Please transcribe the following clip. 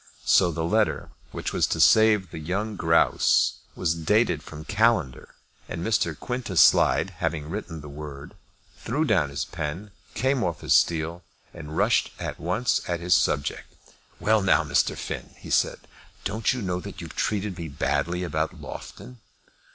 So the letter which was to save the young grouse was dated from Callender; and Mr. Quintus Slide having written the word, threw down his pen, came off his stool, and rushed at once at his subject. "Well, now, Finn," he said, "don't you know that you've treated me badly about Loughton?"